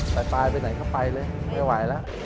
ไปปลายไปไหนก็ไปเลยไม่ไหวแล้ว